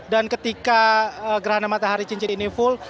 dan ketika gerhana matahari cincin ini full